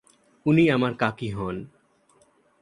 উনি আমার কাকি হন।